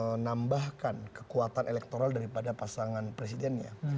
dan juga menambahkan kekuatan elektoral daripada pasangan presidennya